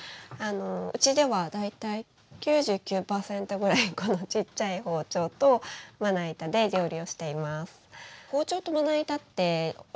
うちでは大体９９％ぐらいこのちっちゃい包丁とまな板で料理をしています。